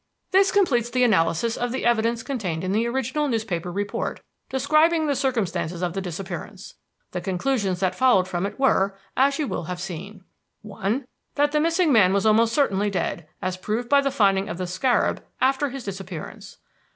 "This completes the analysis of the evidence contained in the original newspaper report describing the circumstances of the disappearance. The conclusions that followed from it were, as you will have seen: "1. That the missing man was almost certainly dead, as proved by the finding of the scarab after his disappearance.